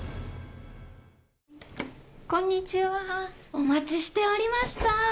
お待ちしておりました。